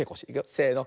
せの。